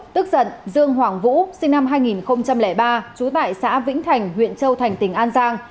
tức giận dương hoàng vũ sinh năm hai nghìn ba trú tại xã vĩnh thành huyện châu thành tỉnh an giang